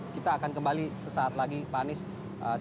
kita akan kembali sesaat lagi pak anies